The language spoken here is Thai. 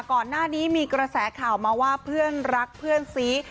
ก่อนหน้านี้มีกระแสข่าวมาว่าเพื่อนรักเพื่อนซี